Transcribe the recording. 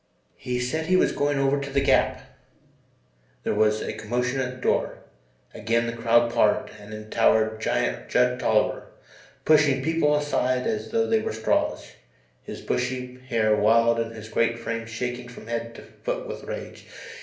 "He said he was going over to the Gap " There was a commotion at the door, again the crowd parted, and in towered giant Judd Tolliver, pushing people aside as though they were straws, his bushy hair wild and his great frame shaking from head to foot with rage.